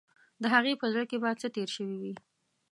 د هغې په زړه کې به څه تیر شوي وي.